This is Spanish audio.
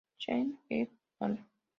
Cheng, et al.